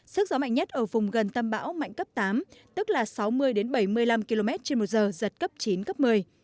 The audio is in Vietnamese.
sức gió mạnh nhất ở vùng gần tâm bão mạnh cấp tám tức là sáu mươi bảy mươi năm km trên một giờ giật cấp chín cấp một mươi